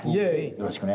よろしくね。